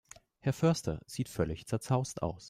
Herr Förster sieht völlig zerzaust aus.